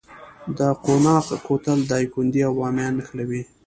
د قوناق کوتل دایکنډي او بامیان نښلوي